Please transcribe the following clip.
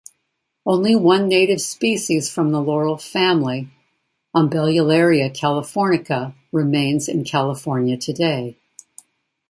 Only one native species from the laurel family, "Umbellularia californica", remains in California today.